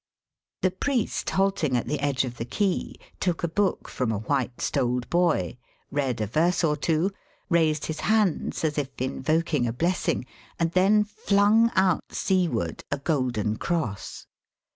The priest halting at the edge of the quay, took a book from a white stoled boy, read a verse or two, raised his hands as if invoking a blessing, and then flung out seaward a golden cross.